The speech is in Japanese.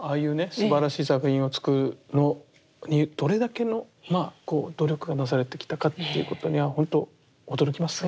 すばらしい作品を作るのにどれだけの努力がなされてきたかっていうことにはほんと驚きますね。